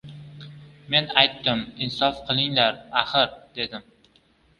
Men aytdim, insof qilinglar, axir, dedim.